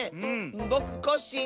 ぼくコッシーです！